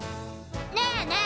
ねえねえ！